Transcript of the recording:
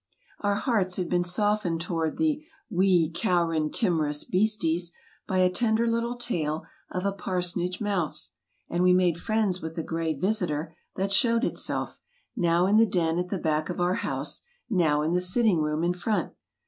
Our hearts had been softened toward the "wee, cow'rin, timrous beasties" by a tender little tale of a parsonage mouse, and we made friends with a gray visitor that showed itself, now in the den at the back of our house, now in the sitting room in front.